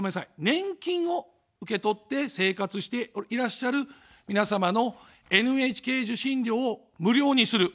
年金を受け取って生活をしていらっしゃる皆様のＮＨＫ受信料を無料にする。